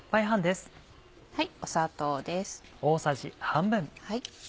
砂糖です。